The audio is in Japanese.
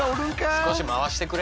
少し回してくれ。